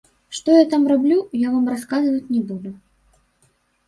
Што я там раблю, я вам расказваць не буду.